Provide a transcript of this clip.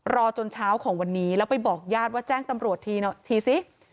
จนเช้าของวันนี้แล้วไปบอกญาติว่าแจ้งตำรวจทีซิ